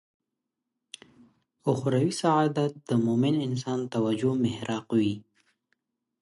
اخروي سعادت د مومن انسان توجه محراق وي.